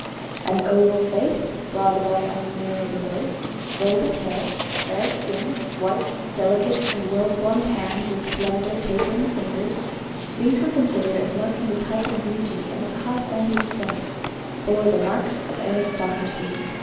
An oval face, broad above and narrow below, golden hair, fair skin, white, delicate, and well formed hands with slender tapering fingers: these were considered as marking the type of beauty and of high family descent; they were the Marks of Aristocracy.